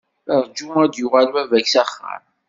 Rju a d-yuɣal baba-k s axxam.